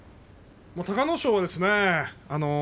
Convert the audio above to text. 隆の勝はですね